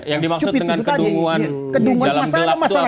yang dimaksud dengan kedunguan di dalam gelap itu apa